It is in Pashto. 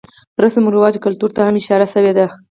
رسم رواج ،کلتور ته هم اشاره شوې ده.